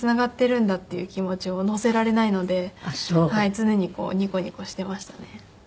常にニコニコしていましたね。